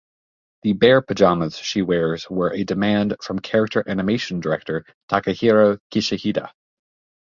The bear pajamas she wears were a demand from character animation director Takahiro Kishida.